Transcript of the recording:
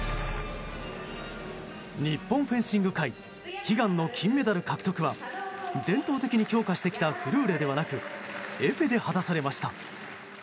日本フェンシング界悲願の金メダル獲得は伝統的に強化してきたフルーレではなくエペで果たされました。